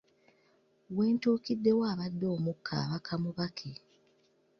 We ntuukiddewo abadde omukka abaka mubake.